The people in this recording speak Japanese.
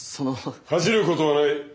恥じることはない。